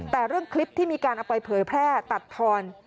แต่เรื่องคลิปที่มีการเอาไปเผยแพร่ตัดทอน